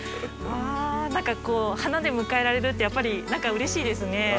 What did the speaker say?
わ何かこう花で迎えられるってやっぱりうれしいですね。